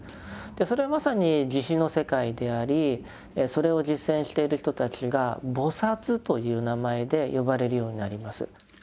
それはまさに慈悲の世界でありそれを実践している人たちが「菩」という名前で呼ばれるようになります。